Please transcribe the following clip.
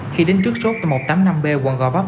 khi đến trước số một trăm tám mươi năm b quận gò vấp